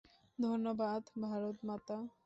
ধন্যবাদ, ভারত মাতা!